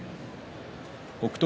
北勝